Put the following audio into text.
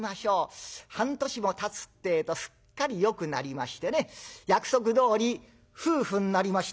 半年もたつってえとすっかりよくなりましてね約束どおり夫婦になりました。